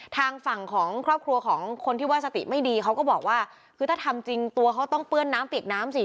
ทางฝั่งของครอบครัวของคนที่ว่าสติไม่ดีเขาก็บอกว่าคือถ้าทำจริงตัวเขาต้องเปื้อนน้ำเปียกน้ำสิ